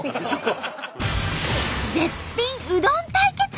絶品うどん対決！